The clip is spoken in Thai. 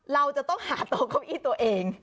เราจะต้องหาโต๊ะเก้าอี้ตัวเอง